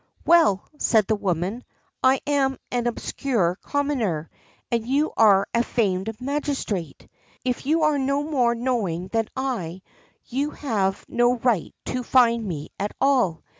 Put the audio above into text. "Well," said the woman, "I am an obscure commoner, and you are a famed magistrate; if you are no more knowing than I, you have no right to fine me at all.